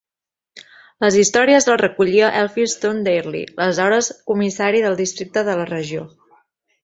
Les històries les recollia Elphinstone Dayrell, l'aleshores Comissari de Districte de la regió.